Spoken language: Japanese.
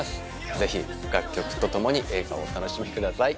ぜひ楽曲と共に映画をお楽しみください。